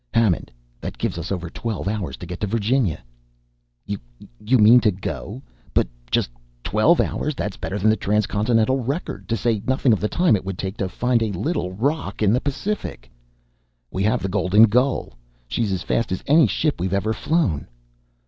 "Hammond, that gives us over twelve hours to get to Virginia!" "You mean to go? But just twelve hours! That's better than the transcontinental record to say nothing of the time it would take to find a little rock in the Pacific!" "We have the Golden Gull! She's as fast as any ship we've ever flown."